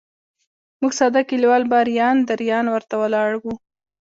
موږ ساده کلیوال به اریان دریان ورته ولاړ وو.